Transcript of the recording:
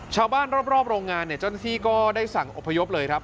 ชาวบ้านรอบโรงงานเนี่ยเจ้าหน้าที่ก็ได้สั่งอพยพเลยครับ